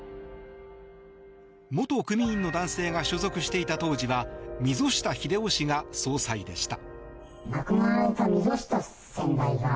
元組員の男性が所属していた当時は溝下秀男氏が総裁でした。